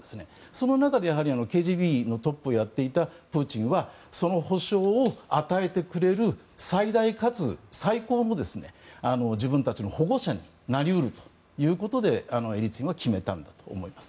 その中でＫＧＢのトップをやっていたプーチンはその保証を与えてくれる最大かつ最高の自分たちの保護者になり得るといういことでエリツィンは決めたんだと思います。